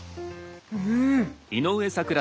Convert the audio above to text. うん！